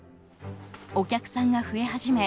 お客さんが増え始め